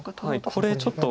これちょっと。